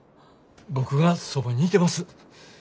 僕がそばにいてます。